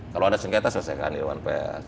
kalau ada sengketa selesaikan di dewan pes